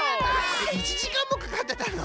１じかんもかかってたの？